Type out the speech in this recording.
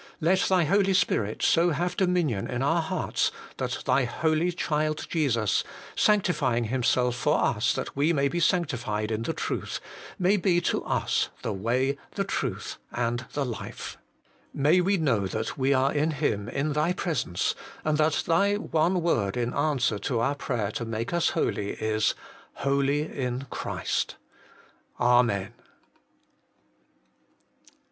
Let Thy Holy Spirit so have dominion in our hearts that Thy Holy Child Jesus, sanctifying Himself for us that we may be sanctified in the cruth, may be to us the Way, the Truth, and the Life. May we know that we are in Him in Thy presence, and that Thy one word in answer to our prayer to make us holy is Holy in Christ. Amen.